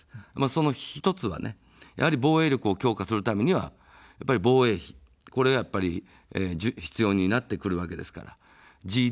その１つは、防衛力を強化するためには防衛費、これがやっぱり必要になってくるわけですから。